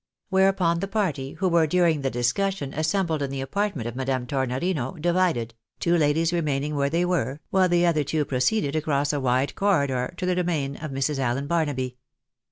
Whereupon the party, who were, during the discussion, assembled in the apartment of Madame Tornorino, divided — two ladies remaining where they were, while the other two proceeded across a wide corridor to the domain of Mrs. Allen Barnaby.